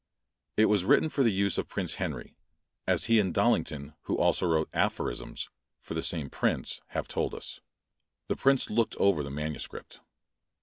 It was written for the use of Prince Henry, as he and Dallington, who also wrote "Aphorisms" for the same prince, have told us; the prince looked over the manuscript.